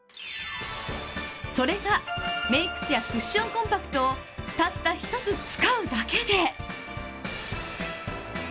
それがメイク艶クッションコンパクトをたった１つ使うだけで。